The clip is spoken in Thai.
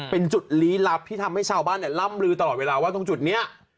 เป็นจุดลี้ลับที่ทำให้ชาวบ้านล่ำลือตลอดเวลาว่าตรงจุดนี้